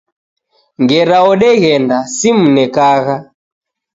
Ngera odeghenda, seimunekagha.